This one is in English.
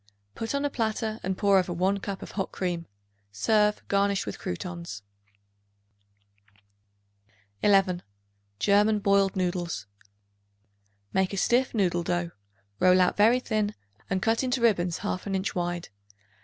Put on a platter and pour over 1 cup of hot cream. Serve, garnished with croutons. 11. German Boiled Noodles. Make a stiff noodle dough; roll out very thin and cut into ribbons half an inch wide.